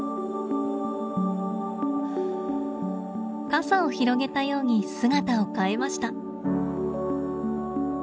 傘を広げたように姿を変えました。